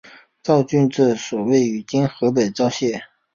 赵郡治所位于今河北赵县。